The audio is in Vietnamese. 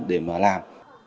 để mà làm